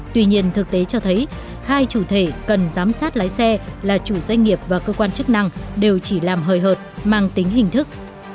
tuy nhiên thực tế cho thấy hai chủ thể cần giám sát lái xe là chủ doanh nghiệp và cơ quan chức năng đều chỉ làm hời hợt mang tính hình thức